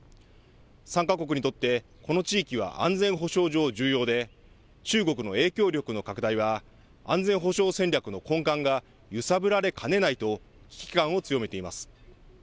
３か国にとって、この地域は安全保障上重要で、中国の影響力の拡大は、安全保障戦略の根幹が揺さぶられかねないと危機感を強めています。